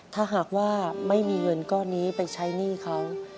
ถ้าหากว่าไม่มีเงินก้อนนี้ไปใช้หนี้เขา